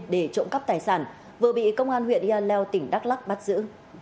để trộm cắp tài sản vừa bị công an huyện yaleo tỉnh đắk lắc bắt giữ